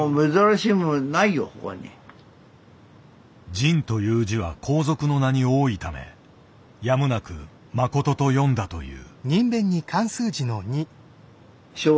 仁という字は皇族の名に多いためやむなく「マコト」と読んだという。